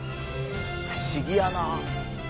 不思議やな。